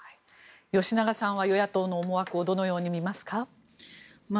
吉永さんは与野党の思惑をどのように見ますか？